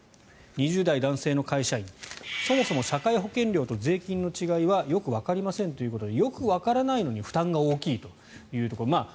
２０代男性の会社員そもそも社会保険料と税金の違いがよくわかりませんということでよくわからないのに負担が大きいというところ。